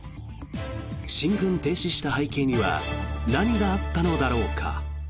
進軍停止した背景には何があったのだろうか。